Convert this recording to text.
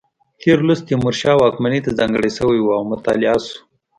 تېر لوست تیمورشاه واکمنۍ ته ځانګړی شوی و او مطالعه شو.